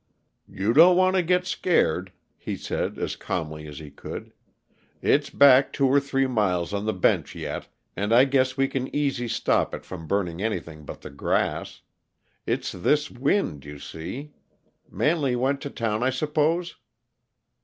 "You don't want to get scared," he said, as calmly as he could. "It's back two or three miles on the bench yet, and I guess we can easy stop it from burning anything but the grass. It's this wind, you see. Manley went to town, I suppose?"